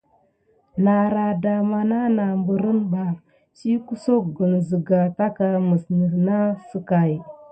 Nara dama nana perine ba si kusakane siga takà mis ne nane sickai.